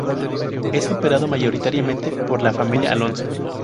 Es operado mayoritariamente por la familia Alonso.